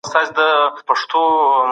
هيڅکله د بل چا شرف او وقار ته زيان مه رسوه.